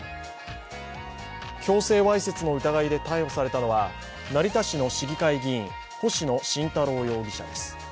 強制わいせつの疑いで逮捕されたのは成田市の市議会議員星野慎太郎容疑者です。